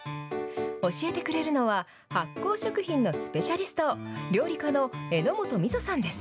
教えてくれるのは、発酵食品のスペシャリスト、料理家の榎本美沙さんです。